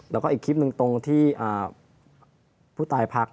แล้วก็อีกคลิปหนึ่งตรงที่ผู้ตายพัก